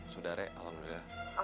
sudah rek alhamdulillah